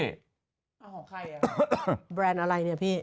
เอาของใครอ่ะแบรนด์อะไรเนี่ยพี่